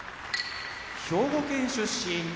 兵庫県出身